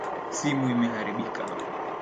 Simu imeharibika.